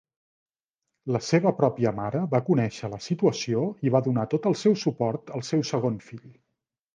La seva pròpia mare va conèixer la situació i va donar tot el seu suport al seu segon fill.